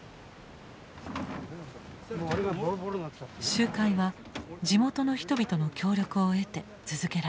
集会は地元の人々の協力を得て続けられてきた。